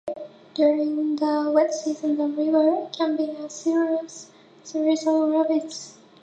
During the wet season, the river can be a series of rapids.